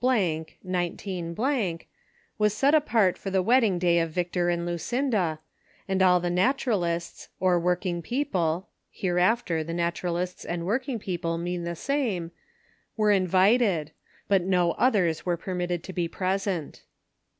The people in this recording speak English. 19 —, was set apart for the wedding day of Victor and Lucinda, and all the Naturalists, or working people (hereafter, the Naturalists and working people mean the same) were invited ; but no others were permit ted to be present.